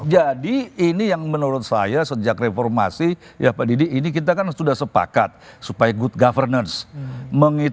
jadi ini yang menurut saya sejak reformasi ya pak didi ini kita kan sudah sepakat supaya good governance